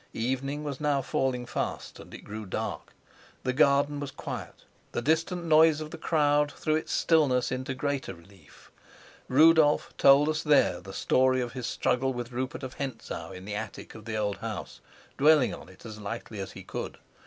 Evening was now falling fast, and it grew dark. The garden was quiet; the distant noise of the crowd threw its stillness into greater relief. Rudolf told us there the story of his struggle with Rupert of Hentzau in the attic of the old house, dwelling on it as lightly as he could.